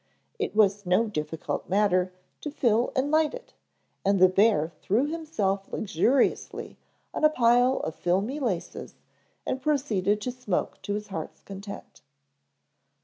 It was no difficult matter to fill and light it and the bear threw himself luxuriously on a pile of filmy laces and proceeded to smoke to his heart's content.